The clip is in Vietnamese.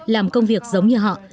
làm công việc giống như họ